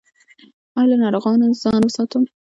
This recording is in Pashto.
ایا له ناروغانو ځان وساتم؟